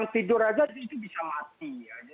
tidur aja itu bisa mati